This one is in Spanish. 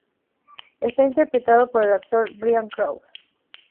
Está interpretado por el actor Brian Krause.